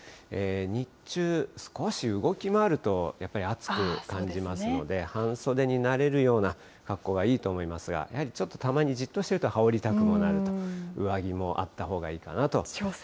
日中、少し動き回ると、やっぱり暑く感じますので、半袖になれるような格好がいいと思いますが、やはりちょっとたまにじっとしてると羽織りたくもなると、上着もあったほうがいいかなと。